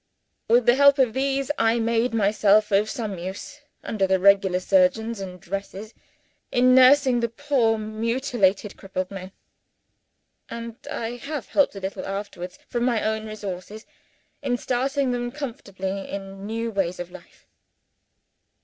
With the help of these, I made myself of some use (under the regular surgeons and dressers) in nursing the poor mutilated, crippled men; and I have helped a little afterwards, from my own resources, in starting them comfortably in new ways of life."